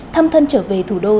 thăm thân trở về thủ đô